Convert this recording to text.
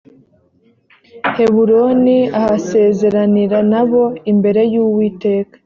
heburoni ahasezeranira na bo imbere y uwiteka